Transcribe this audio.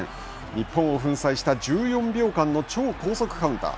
日本を粉砕した１４秒間の超高速カウンター。